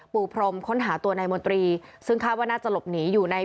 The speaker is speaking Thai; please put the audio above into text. พรมค้นหาตัวนายมนตรีซึ่งคาดว่าน่าจะหลบหนีอยู่ใน